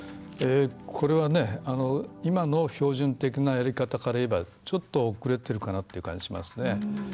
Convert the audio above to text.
これは、今の標準的なやり方からいえばちょっと遅れているかなっていう感じしますね。